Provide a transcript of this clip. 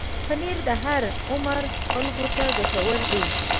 پنېر د هر عمر خلکو ته ګټور دی.